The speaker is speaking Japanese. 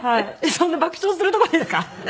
そんな爆笑するとこですか？